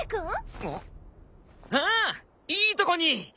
ああいいとこに！